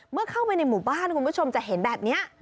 เมื่อเข้าไปในหมู่บ้านคุณผู้ชมจะเห็นแบบนี้